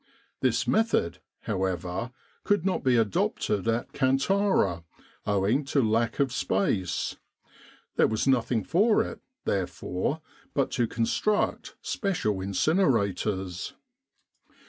This method, however, could not be adopted at Kantara owing to lack of space. There was nothing for it, therefore, but to construct special incinerators.